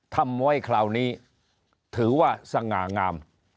ทำไว้คราวนี้ถือว่าสง่างาม